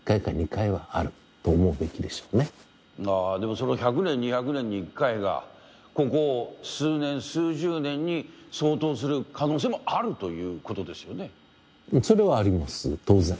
その１００年２００年に１回がここ数年数十年に衝突する可能性もあるということですよね？